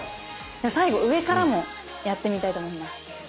最後上からもやってみたいと思います。